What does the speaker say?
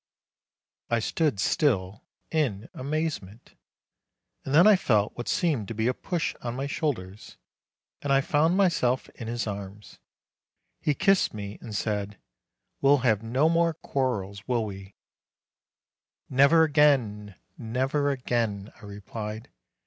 I stood still in amazement, and then I felt what seemed to be a push on my shoulders, and I found my self in his arms. He kissed me, and said: "We'll have no more quarrels, will we?" "Never again! never again!" I replied.